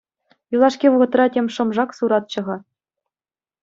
Юлашки вӑхӑтра тем шӑм-шак суратчӗ-ха.